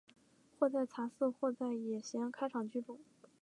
或在茶肆或在野闲开场聚众。